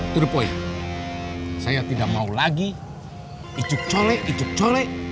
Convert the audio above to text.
tudup boy saya tidak mau lagi icuk cole icuk cole